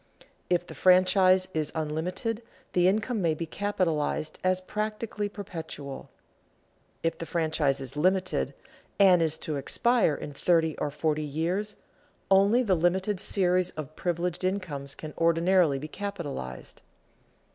If the franchise is unlimited, the income may be capitalized as practically perpetual; if the franchise is limited, and is to expire in thirty or forty years, only the limited series of privileged incomes can ordinarily be capitalized.